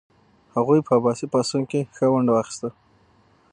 هغوی په عباسي پاڅون کې ښه ونډه واخیسته.